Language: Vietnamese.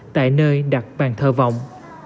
tại nơi đặt bàn thơ vọng